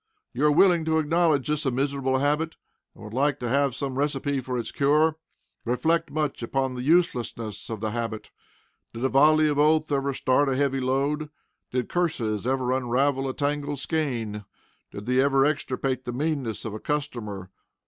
You are willing to acknowledge this a miserable habit, and would like to have some recipe for its cure. Reflect much upon the uselessness of the habit. Did a volley of oaths ever start a heavy load? Did curses ever unravel a tangled skein? Did they ever extirpate the meanness of a customer?